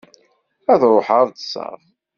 Ad ruḥeɣ ad ṭṭseɣ.